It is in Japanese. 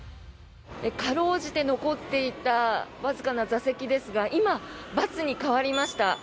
辛うじて残っていたわずかな座席ですが今、バツに変わりました。